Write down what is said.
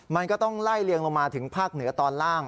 มันก็ต้องไล่เลียงลงมาถึงภาคเหนือตอนล่าง